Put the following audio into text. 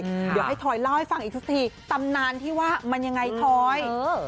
เดี๋ยวให้ทอยเล่าให้ฟังอีกสักทีตำนานที่ว่ามันยังไงทอยเออ